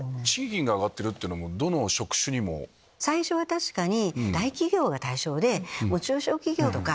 最初は確かに。